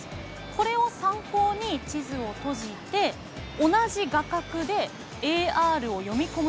これを参考に地図を閉じて同じ画角で「ＡＲを読み込む」